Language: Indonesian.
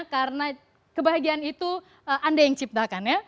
karena kebahagiaan itu anda yang ciptakan ya